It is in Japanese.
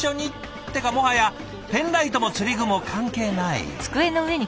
ってかもはやペンライトも釣り具も関係ない。